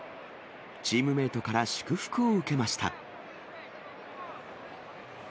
チームメートから祝福を受けました。